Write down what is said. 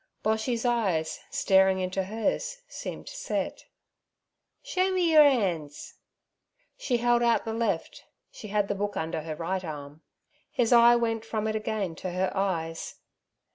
Boshy's eye, staring into hers, seemed set. 'Show me yur 'ands.' She held out the left—she had the book under her right arm. His eye went from it again to her eyes.